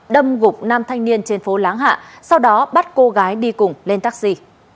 đâm gục nam thanh niên trên phố láng hạ sau đó bắt cô gái đi cùng lên taxi